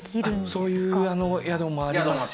そういう宿もありますし。